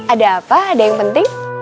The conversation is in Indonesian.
ada apa ada yang penting